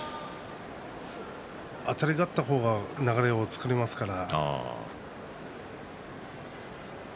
あたり勝った方が流れを作りますから。